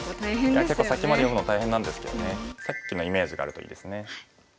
いや結構先まで読むのは大変なんですけどねさっきのイメージがあるといいですね。